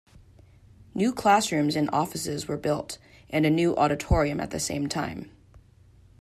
New classrooms and offices were built, and a new auditorium at the same time.